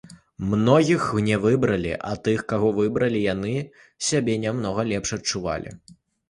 Многіх не выбралі, а тых каго выбралі, яны сябе намнога лепш адчувалі.